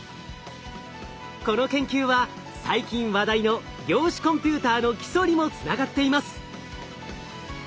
この研究は最近話題の量子コンピューターの基礎にもつながっています。